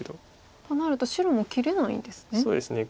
となると白も切れないんですね。